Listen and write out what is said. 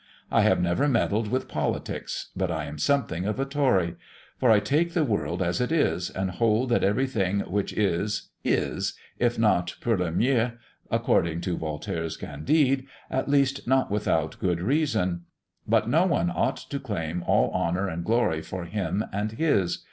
I have never meddled with politics, but I am something of a Tory; for I take the world as it is, and hold that everything which is, is, if not pour le mieux, according to Voltaire's Candide, at least not without good reason. But no one ought to claim all honour and glory for him and his.